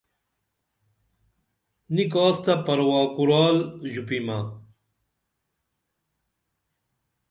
نی کاس تہ پرواہ کورال ژوپیمہ